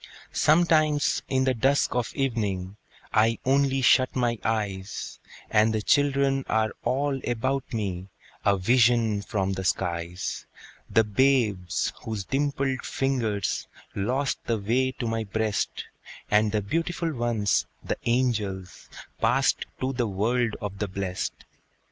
Sometimes, in the dusk of evening, I only shut my eyes, And the children are all about me, A vision from the skies: The babes whose dimpled fingers Lost the way to my breast, And the beautiful ones, the angels, Passed to the world of the blest.